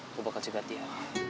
gue bakal cekat dia